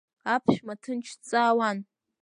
Аԥшәма ҭынч дҵаауан.